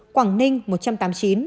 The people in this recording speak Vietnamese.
quảng ninh một trăm tám mươi chín